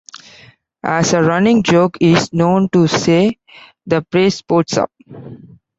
As a running joke, he is known to say the phrase Sports Up!